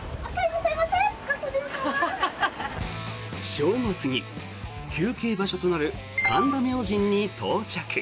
正午過ぎ休憩場所となる神田明神に到着。